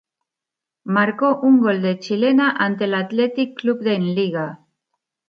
Marcó un gol de Chilena ante el Athletic Club en Liga.